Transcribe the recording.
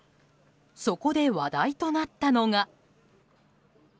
そこで、話題となったのが。